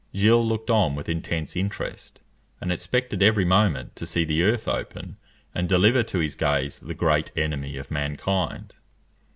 Gilles looked on with intense interest, and expected every moment to see the earth open, and deliver to his gaze the great enemy of mankind.